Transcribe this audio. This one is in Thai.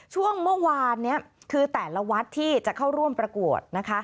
ช่วงเมื่อวานนี้คือแต่ละวัดที่จะเข้าร่วมประกวดนะคะ